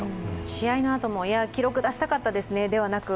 試合のあとも、記録出したかったですね、ではなく